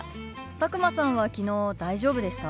佐久間さんは昨日大丈夫でした？